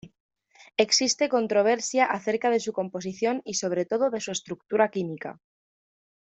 Existe controversia acerca de su composición y sobre todo de su estructura química.